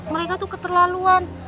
mereka tuh keterlaluan